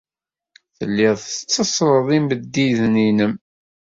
Telliḍ tetteṣṣreḍ imeddiden-nnem.